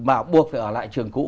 mà buộc phải ở lại trường cũ